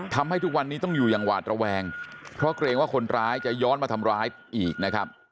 ทุกวันนี้ต้องอยู่อย่างหวาดระแวงเพราะเกรงว่าคนร้ายจะย้อนมาทำร้ายอีกนะครับ